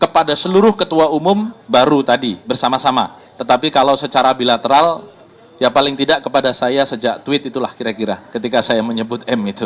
kepada seluruh ketua umum baru tadi bersama sama tetapi kalau secara bilateral ya paling tidak kepada saya sejak tweet itulah kira kira ketika saya menyebut m itu